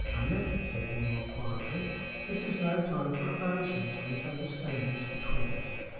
"Aneth," said he, more quietly, "this is no time for evasions or misunderstandings between us.